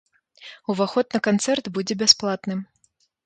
Уваход на канцэрт будзе бясплатным.